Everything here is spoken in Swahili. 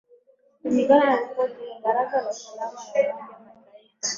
kulingana na ripoti hiyo baraza la usalama la umoja mataifa